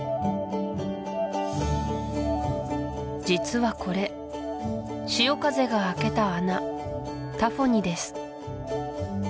実はこれ潮風が開けた穴タフォニです